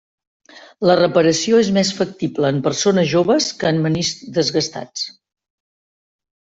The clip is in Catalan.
La reparació és més factible en persones joves que en meniscs desgastats.